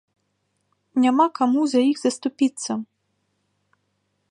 Няма каму за іх заступіцца.